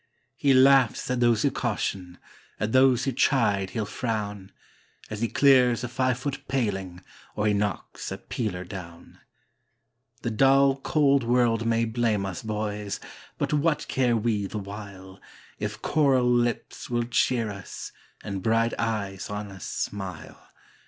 He laughs at those who caution, at those who chide he'll frown, As he clears a five foot paling, or he knocks a peeler down. The dull, cold world may blame us, boys! but what care we the while, If coral lips will cheer us, and bright eyes on us smile?